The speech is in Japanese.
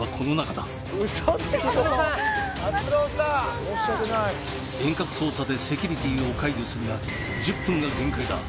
篤郎さん申し訳ない遠隔操作でセキュリティを解除するが１０分が限界だ